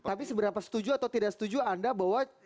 tapi seberapa setuju atau tidak setuju anda bahwa